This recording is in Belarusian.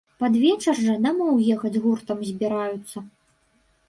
Пад вечар жа дамоў ехаць гуртам збіраюцца.